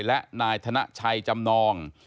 และนายธนชัยจำนอง